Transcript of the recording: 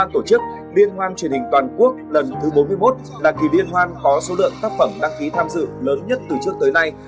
tổ chức liên hoan truyền hình toàn quốc lần thứ bốn mươi một là kỳ liên hoan có số lượng tác phẩm đăng ký tham dự lớn nhất từ trước tới nay